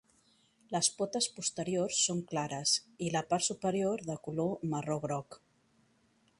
Les potes posteriors són clares i la part superior de color marró groc.